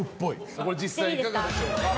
実際いかがでしょうか？